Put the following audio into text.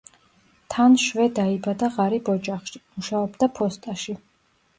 თან შვე დაიბადა ღარიბ ოჯახში, მუშაობდა ფოსტაში.